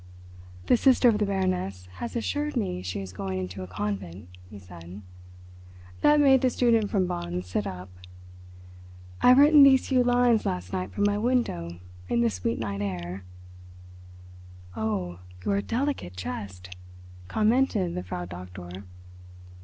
"The sister of the Baroness has assured me she is going into a convent," he said. (That made the student from Bonn sit up.) "I have written these few lines last night from my window in the sweet night air—" "Oh, your delicate chest," commented the Frau Doktor.